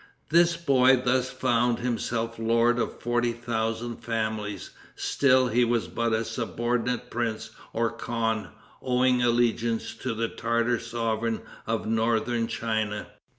This boy thus found himself lord of forty thousand families. Still he was but a subordinate prince or khan, owing allegiance to the Tartar sovereign of northern China.